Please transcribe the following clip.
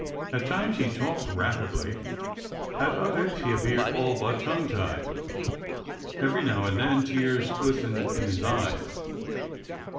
At times he talked rapidly, at others he appeared all but tongue tied. Every now and then tears glistened in his eyes.